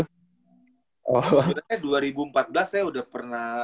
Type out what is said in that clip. sebenarnya dua ribu empat belas saya udah pernah